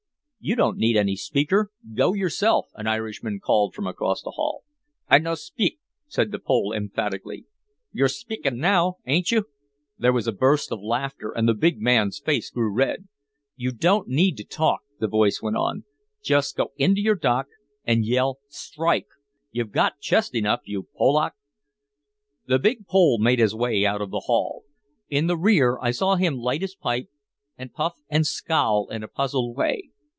"You don't need any speaker, go yourself," an Irishman called from across the hall. "I no spick," said the Pole emphatically. "You're spicking now, ain't you?" There was a burst of laughter, and the big man's face grew red. "You don't need to talk," the voice went on. "Just go into your dock and yell 'Strike!' You've got chest enough, you Pollock." The big Pole made his way out of the hall. In the rear I saw him light his pipe and puff and scowl in a puzzled way.